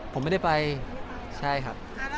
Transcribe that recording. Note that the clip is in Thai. ผมไม่ได้ไปใช่ครับ